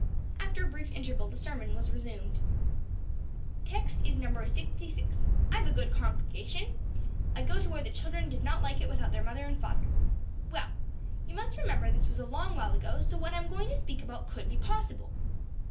After a brief interval the sermon was resumed." "Text is No. 66. I've a good congregation! I got to where the children did not like it without their mother and father. Well, you must remember this was a long while ago, so what I'm going to speak about could be possible.